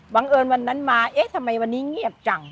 เอิญวันนั้นมาเอ๊ะทำไมวันนี้เงียบจัง